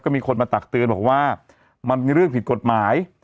มีคนมาตักเตือนบอกว่ามันมีเรื่องผิดกฎหมาย